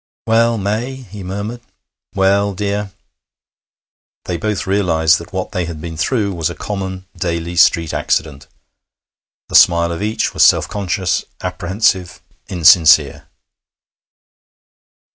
'Well, May?' he murmured. 'Well, dear.' They both realized that what they had been through was a common, daily street accident. The smile of each was self conscious, apprehensive, insincere.